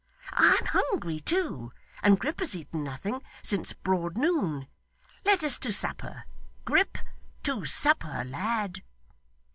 I am hungry too, and Grip has eaten nothing since broad noon. Let us to supper. Grip! To supper, lad!